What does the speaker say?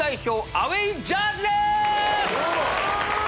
アウェイジャージです